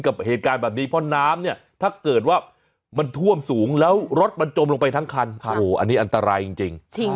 กับเหตุการณ์แบบนี้เพราะน้ำเนี่ยถ้าเกิดว่ามันท่วมสูงแล้วรถมันจมลงไปทั้งคันโอ้โหอันนี้อันตรายจริง